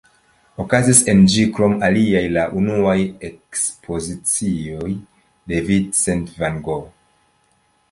Okazis en ĝi krom aliaj la unuaj ekspozicioj de Vincent van Gogh.